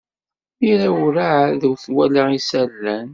Mira werɛad ur twala isalan.